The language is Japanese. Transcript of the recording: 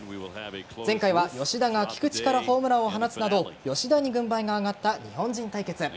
前回は吉田が菊池からホームランを放つなど吉田に軍配が上がった日本人対決。